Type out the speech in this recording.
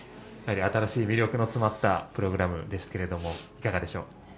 新しい魅力の詰まったプログラムでしたけどいかがでしょうか？